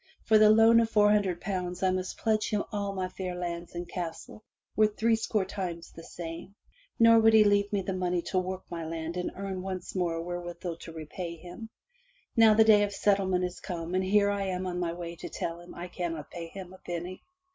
For the loan of four hundred pounds I must pledge him all my fair lands and castle worth three score times the same, nor would he leave me the money to work my 64 FROM THE TOWER WINDOW land and earn once more wherewithal to repay him. Now the day of settlement is come and here am I on my way to tell him I cannot pay him a penny.